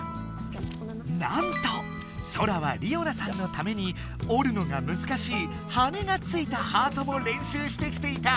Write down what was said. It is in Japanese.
なんとソラはりおなさんのために折るのがむずかしい羽がついたハートもれんしゅうしてきていた！